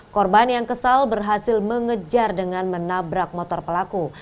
korban yang kesal berhasil mengejar dengan menabrak motor pelaku